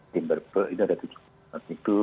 timberberg itu ada tujuh